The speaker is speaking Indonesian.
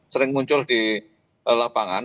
sering muncul di lapangan